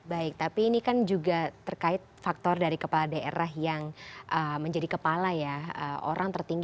baik tapi ini kan juga terkait faktor dari kepala daerah yang menjadi kepala ya orang tertinggi